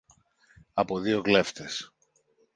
από δυο κλέφτες.